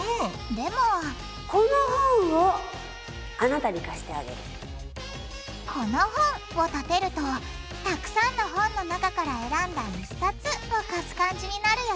でも「この本」をたてるとたくさんの本の中から選んだ１冊を貸す感じになるよね